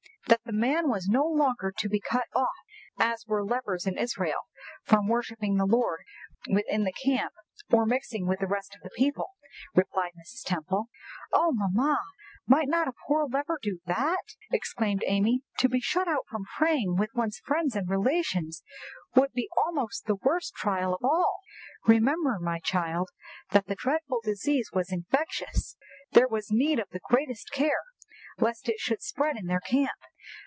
"That the man was no longer to be cut off, as were lepers in Israel, from worshipping the Lord within the camp, or mixing with the rest of the people," replied Mrs. Temple. "Oh, mamma, might not a poor leper do that!" exclaimed Amy. "To be shut out from praying with one's friends and relations would be almost the worst trial of all!" "Remember, my child, that the dreadful disease was infectious; there was need of the greatest care lest it should spread in their camp.